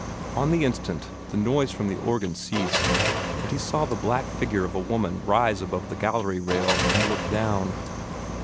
On the instant the noise from the organ ceased, and he saw the black figure of a woman rise above the gallery rail and look down.